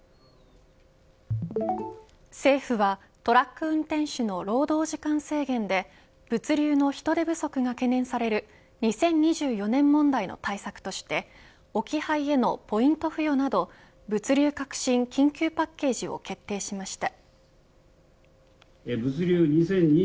政府はトラック運転手の労働時間制限で物流の人手不足が懸念される２０２４年問題の対策として置き配へのポイント付与など物流革新緊急パッケージを決定しました。